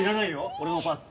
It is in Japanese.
俺もパス。